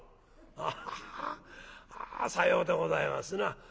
「アハハあさようでございますな。